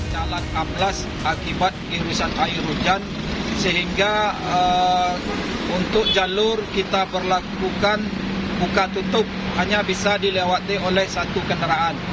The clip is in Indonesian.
jalan amblas akibat irisan air hujan sehingga untuk jalur kita berlakukan buka tutup hanya bisa dilewati oleh satu kendaraan